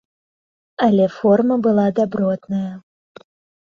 Але форма была дабротная!